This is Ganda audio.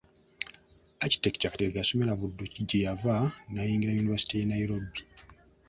Architect Kateregga yasomera Buddo gye yava n’ayingira yunivasite y’e Nairobi.